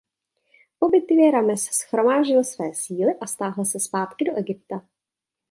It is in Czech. Po bitvě Ramesse shromáždil své síly a stáhl se zpátky do Egypta.